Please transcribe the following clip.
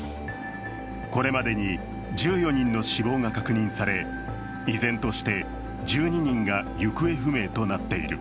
これまでに１４人の死亡が確認され依然として１２人が行方不明となっている。